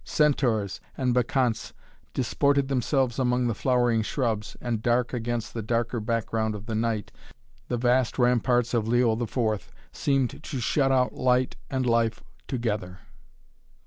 Centaurs and Bacchantes disported themselves among the flowering shrubs and, dark against the darker background of the night, the vast ramparts of Leo IV seemed to shut out light and life together.